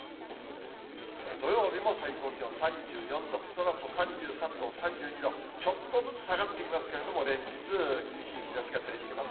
土曜日も最高気温３４度、そのあと３３度、３２度、ちょっとずつ下がっていきますけれども、連日厳しい日ざしが照りつけます。